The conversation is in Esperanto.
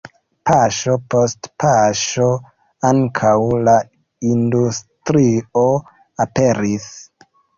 Paŝo post paŝo ankaŭ la industrio aperis.